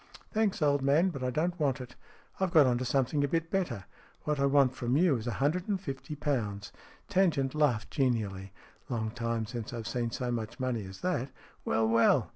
"Thanks, old man, but I don't want it. I've got on to something a bit better. What I want from you is a hundred and fifty pounds." Tangent laughed genially. " Long time since I've seen so much money as that. Well, well